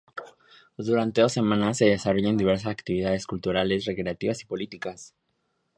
Durante dos semanas se desarrollaron diversas actividades culturales, recreativas y políticas.